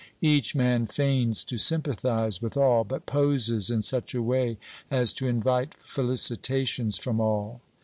Each man feigns to sympathise with all, but poses in such a way as to invite felicitations from all.